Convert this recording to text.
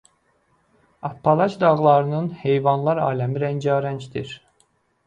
Appalaç dağlarının heyvanlar aləmi rəngarəngdir.